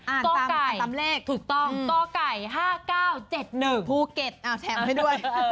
กไก่ตามเลขถูกต้องกไก่๕๙๗๑ภูเก็ตแชมป์ให้ด้วย